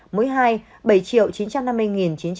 mũi hai là tám bốn trăm sáu mươi sáu sáu trăm một mươi sáu liều